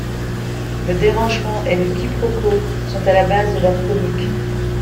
Le dérangement et le quiproquo sont à la base de leur comique.